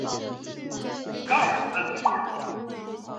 普雷塞克是德国巴伐利亚州的一个市镇。